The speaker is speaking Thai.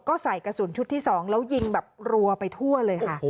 ก็ใส่กระสุนชุดที่๒แล้วยิงแบบรัวไปทั่วเลยค่ะ